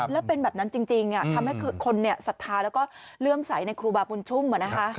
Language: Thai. แล้วเป็นแบบนั้นจริงทำให้คนศรัทธาแล้วก็เลื่อมใสในครูบาบุญชุ่ม